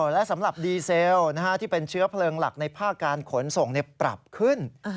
และสำหรับดีเซลที่เป็นเชื้อเพลิงหลักในภาคการขนส่งปรับขึ้น